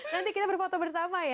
nanti kita berfoto bersama ya